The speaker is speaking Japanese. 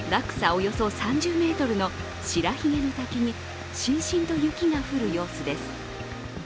およそ３０ｍの白ひげの滝にしんしんと雪が降る様子です。